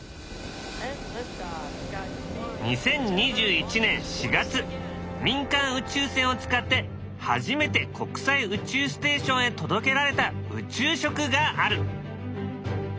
２０２１年４月民間宇宙船を使って初めて国際宇宙ステーションへ届けられた宇宙食がある。